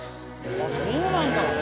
あぁそうなんだ。